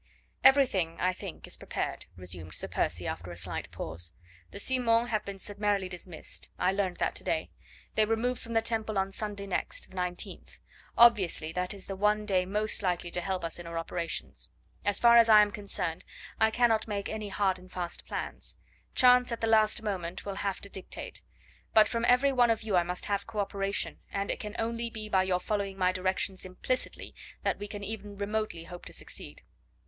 "Everything, I think, is prepared," resumed Sir Percy after a slight pause. "The Simons have been summarily dismissed; I learned that to day. They remove from the Temple on Sunday next, the nineteenth. Obviously that is the one day most likely to help us in our operations. As far as I am concerned, I cannot make any hard and fast plans. Chance at the last moment will have to dictate. But from every one of you I must have co operation, and it can only be by your following my directions implicitly that we can even remotely hope to succeed."